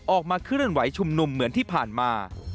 ออกมาเคลื่อนไหวชุมนุมเหมือนที่ผ่านมา